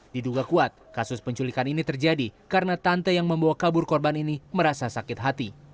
diduga kuat kasus penculikan ini terjadi karena tante yang membawa kabur korban ini merasa sakit hati